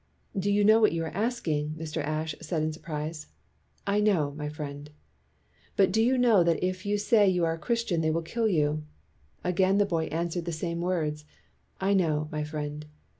"Do you know what you are asking?" Mr. Ashe said in surprise. "I know, my friend." "But you know that if you say you are a Christian they will kill you?" Again the boy answered the same words, "I know, my friend."